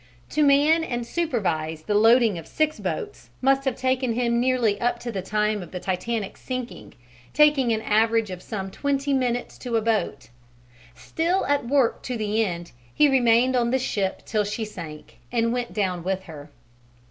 To man and supervise the loading of six boats must have taken him nearly up to the time of the Titanic's sinking, taking an average of some twenty minutes to a boat. Still at work to the end, he remained on the ship till she sank and went down with her.